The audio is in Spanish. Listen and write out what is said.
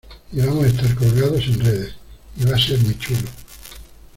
y vamos a estar colgados en redes, y va a ser muy chulo.